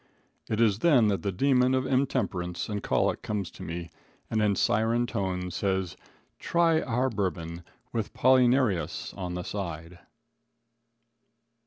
It is then that the demon of intemperance and colic comes to me and, in siren tones, says: "Try our bourbon, with 'Polly Narius' on the side."